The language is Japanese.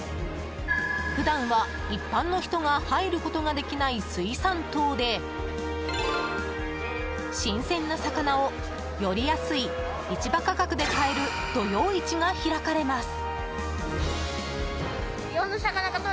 普段は一般の人が入ることができない水産棟で新鮮な魚をより安い市場価格で買える土曜市が開かれます。